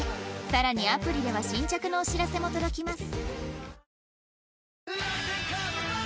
更にアプリでは新着のお知らせも届きます